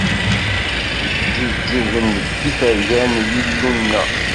Ǧǧuǧǧugen deg yifergan n Yillu-nneɣ.